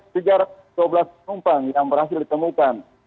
pada saat penumpang yang berhasil ditemukan